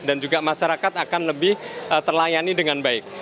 juga masyarakat akan lebih terlayani dengan baik